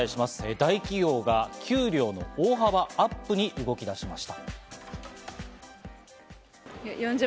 大企業が給料の大幅アップに動き出しました。